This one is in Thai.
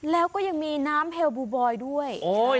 แล้วก็ยังมีน้ำเฮลบูบอยด้วย